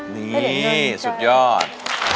นี่สุดยอด